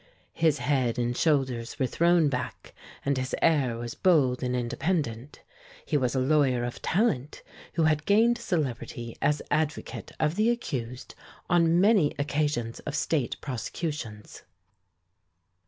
His head and shoulders were thrown back, and his air was bold and independent. He was a lawyer of talent, who had gained celebrity as advocate of the accused on many occasions of State prosecutions.